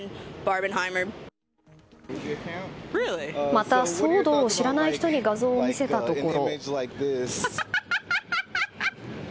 また、騒動を知らない人に画像を見せたところ。